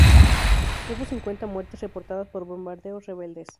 Hubo cincuenta muertes reportadas por bombardeos rebeldes.